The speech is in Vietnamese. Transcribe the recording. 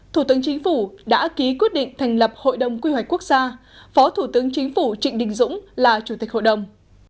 thủ tướng chính phủ đã ký quyết định thành lập hội đồng quy hoạch quốc gia phó thủ tướng chính phủ trịnh đình dũng là chủ tịch hội đồng